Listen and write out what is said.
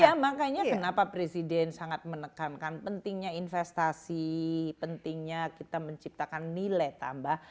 ya makanya kenapa presiden sangat menekankan pentingnya investasi pentingnya kita menciptakan nilai tambah